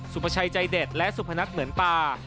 ประชัยใจเด็ดและสุพนัทเหมือนปา